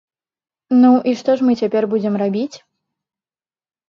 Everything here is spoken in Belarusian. Ну, і што ж мы цяпер будзем рабіць?